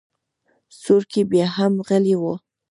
سورکی بياهم غلی و.